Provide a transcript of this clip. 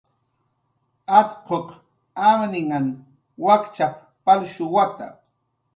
"Atquq amninhan wakchap"" palshuwata"